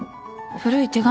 古い手紙？